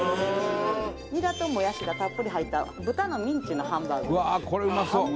「ニラともやしがたっぷり入った豚のミンチのハンバーグ」